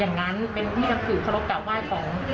อย่างนั้นเป็นที่นำถือพระรบกล่าวไหว้ของ